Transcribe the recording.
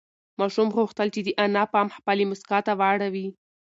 ماشوم غوښتل چې د انا پام خپلې مسکا ته واړوي.